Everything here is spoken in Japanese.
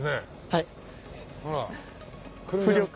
はい。